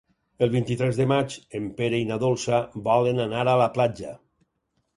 El vint-i-tres de maig en Pere i na Dolça volen anar a la platja.